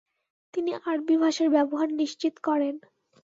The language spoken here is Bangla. তিনি আরবী ভাষার ব্যবহার নিশ্চিত করেন।